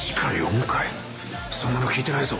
そんなの聞いてないぞ。